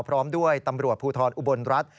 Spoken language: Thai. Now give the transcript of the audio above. พร้อมด้วยตำรวจภูทรอุบลรัฐ